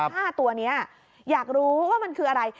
๕ตัวนี้อยากรู้ว่ามันคืออะไร